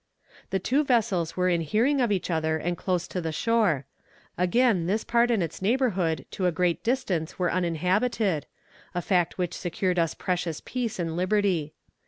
"The two vessels were in hearing of each other and close to the shore. Again this part and its neighbourhood to a great distance were uninhabited a fact which secured us precious peace and liberty.